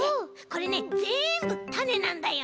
これねぜんぶたねなんだよ。